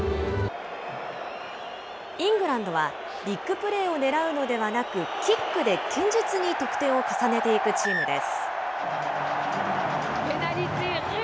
イングランドはビッグプレーをねらうのではなく、キックで堅実に得点を重ねていくチームです。